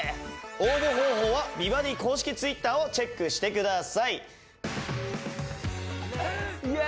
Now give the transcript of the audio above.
応募方法は「美バディ」公式Ｔｗｉｔｔｅｒをチェックしてください